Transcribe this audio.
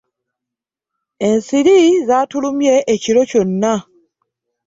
Ensiri zatulumye ekiro kyonna.